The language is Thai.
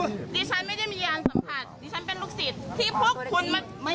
ดิฉันไม่ได้มียานสัมผัสดิฉันเป็นลูกศิษย์